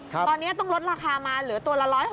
ตอนนี้ต้องลดราคามาเหลือตัวละ๑๖๐